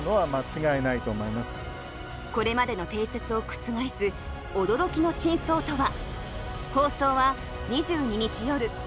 これまでの定説を覆す驚きの真相とは？